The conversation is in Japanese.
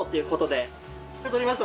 で取りました